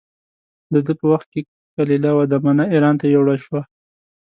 د ده په وخت کې کلیله و دمنه اېران ته یووړل شوه.